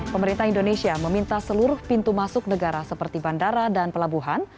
pemerintah indonesia meminta seluruh pintu masuk negara seperti bandara dan pelabuhan